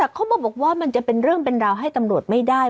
แต่เขามาบอกว่ามันจะเป็นเรื่องเป็นราวให้ตำรวจไม่ได้